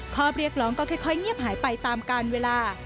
ข้อเรียกร้องก็ค่อยเงียบหายไปตามการเวลา